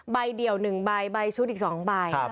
เดี่ยว๑ใบใบชุดอีก๒ใบ